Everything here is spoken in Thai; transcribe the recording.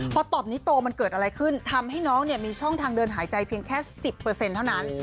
พอตอบนี้โตมันเกิดอะไรขึ้นทำให้น้องมีช่องทางเดินหายใจเพียงแค่๑๐เท่านั้น